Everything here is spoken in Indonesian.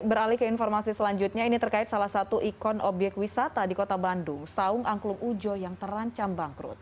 beralih ke informasi selanjutnya ini terkait salah satu ikon obyek wisata di kota bandung saung angklung ujo yang terancam bangkrut